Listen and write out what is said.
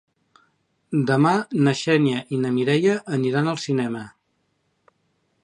Demà na Xènia i na Mireia aniran al cinema.